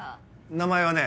名前はね